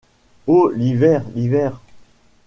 Oh ! l’hiver ! l’hiver !